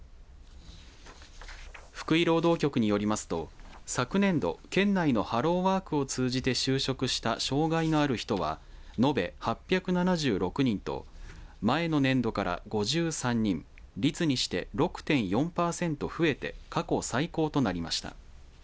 福井労働局によりますと昨年度、県内のハローワークを通じて就職した障害のある人は、延べ８７６人と前の年度から５３人率にして６．４パーセント増えて過去最高となりました。